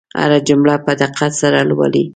هره جمله په دقت سره لولئ.